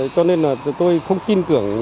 cho nên là tôi không tin tưởng